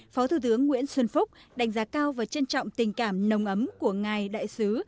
phó thủ tướng nguyễn xuân phúc đánh giá cao và trân trọng tình cảm nồng ấm của ngài đại sứ